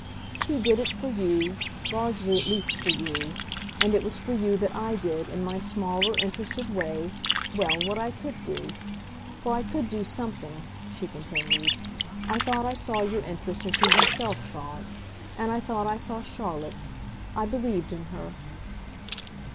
"He did it for you largely at least for you. And it was for you that I did, in my smaller, interested way well, what I could do. For I could do something," she continued; "I thought I saw your interest as he himself saw it. And I thought I saw Charlotte's. I believed in her."